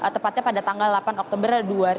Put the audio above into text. tepatnya pada tanggal delapan oktober dua ribu empat belas